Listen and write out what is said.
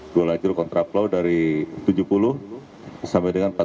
dua lajur kontraplow dari tujuh puluh sampai dengan empat puluh